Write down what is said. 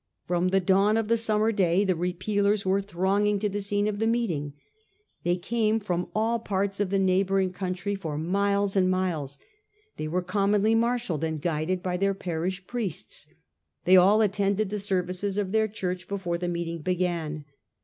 From the dawn of the summer day the Repealers were thronging to the scene of the meeting. They came from all parts of the neighbouring 286 A HISTORY OF OUR OWN TIMES. CH. XU. country for miles and miles. They were commonly marshalled and guided hy their parish priests. They all attended the services of their Church before the meeting began.